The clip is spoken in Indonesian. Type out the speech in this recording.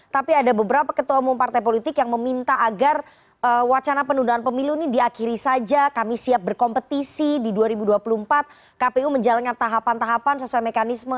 tapi ada beberapa ketua umum partai politik yang meminta agar wacana penundaan pemilu ini diakhiri saja kami siap berkompetisi di dua ribu dua puluh empat kpu menjalankan tahapan tahapan sesuai mekanisme